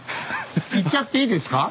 行っちゃっていいですか？